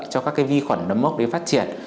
cho các vi khuẩn nấm hốc để phát triển